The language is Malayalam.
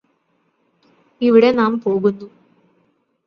ഇവിടെ നാം പോകുന്നു